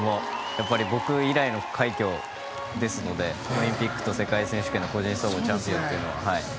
やっぱり僕以来の快挙ですのでオリンピックと世界選手権の個人総合チャンピオンというのは。